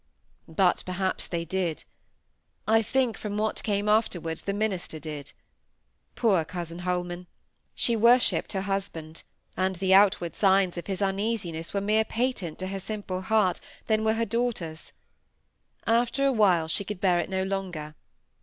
But perhaps they did; I think, from what came afterwards, the minister did. Poor cousin Holman! she worshipped her husband; and the outward signs of his uneasiness were more patent to her simple heart than were her daughter's. After a while she could bear it no longer.